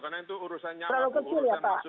karena itu urusan nyawa urusan